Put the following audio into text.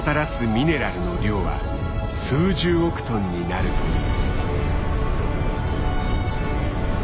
ミネラルの量は数十億トンになるという。